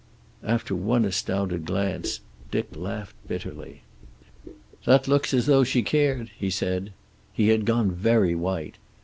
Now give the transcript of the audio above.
After one astounded glance Dick laughed bitterly. "That looks as though she cared!" he said. He had gone very white.